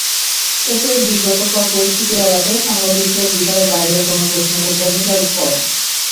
এতে বিব্রতকর পরিস্থিতি এড়াতে সাংবাদিকদের বিষয়ের বাইরে কোনো প্রশ্ন করতে নিষেধ করেন।